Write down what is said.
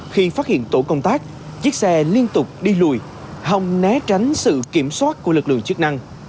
khi phát hiện tổ công tác chiếc xe liên tục đi lùi hòng né tránh sự kiểm soát của lực lượng chức năng